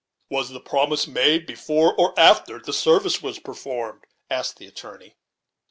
"Was the promise made before or after the service was performed?" asked the attorney.